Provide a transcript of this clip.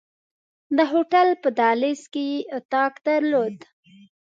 د هوټل په دهلیز کې یې اتاق درلود.